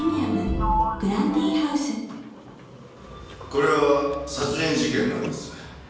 これは殺人事件なんです。